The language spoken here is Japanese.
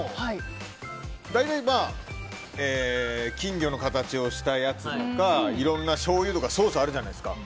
大体、金魚の形をしたやつとかいろんなしょうゆとかソースあるじゃないですか。